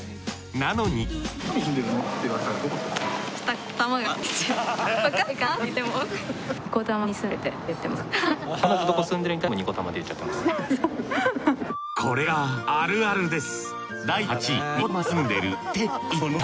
なのにこれがあるあるです